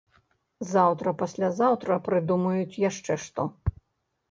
Заўтра-паслязаўтра прыдумаюць яшчэ што.